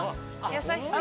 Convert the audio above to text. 優しそう。